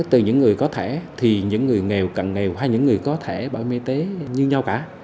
từ những người có thẻ thì những người nghèo cận nghèo hay những người có thẻ bảo hiểm y tế như nhau cả